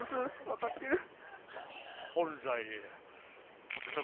分かってる。